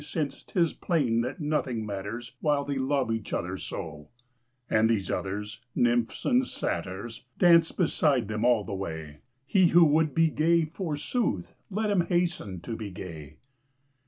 Since 'tis plain that nothing matters While they love each other so ; And these others, nymphs and satyrs, Dance beside them all the way : He who would be gay, forsooth, Let him hasten to be gay.